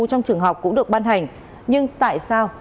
trong trường học cũng được ban hành nhưng tại sao